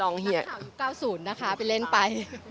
น้ำข่าว๙๐นะคะไปเล่นไป